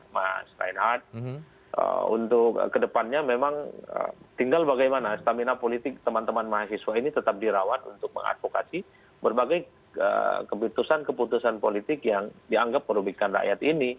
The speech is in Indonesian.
mas reinhardt untuk kedepannya memang tinggal bagaimana stamina politik teman teman mahasiswa ini tetap dirawat untuk mengadvokasi berbagai keputusan keputusan politik yang dianggap merugikan rakyat ini